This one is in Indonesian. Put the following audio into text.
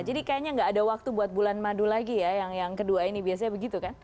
jadi kayaknya nggak ada waktu buat bulan madu lagi ya yang kedua ini biasanya begitu kan